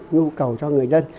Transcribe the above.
nhu cầu cho người dân